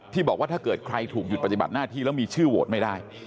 บอกว่าถ้าเกิดใครถูกหยุดปฏิบัติหน้าที่แล้วมีชื่อโหวตไม่ได้